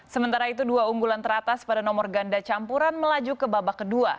sementara itu dua unggulan teratas pada nomor ganda campuran melaju ke babak kedua